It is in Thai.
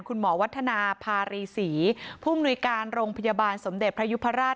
วัฒนาภารีศรีผู้มนุยการโรงพยาบาลสมเด็จพระยุพราช